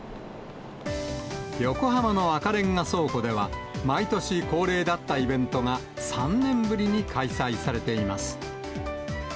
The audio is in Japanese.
横浜の赤レンガ倉庫では、毎年恒例だったイベントが、３年ぶりに開催されています。